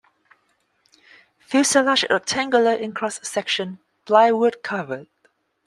Fuselage rectangular in cross-section, plywood covered.